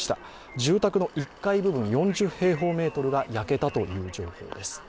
住宅の１階部分、４０平方メートルが焼けたという情報です。